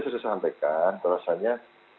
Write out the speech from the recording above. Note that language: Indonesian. saya sudah sampaikan rasanya